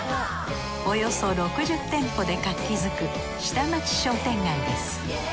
およそ６０店舗で活気づく下町商店街です。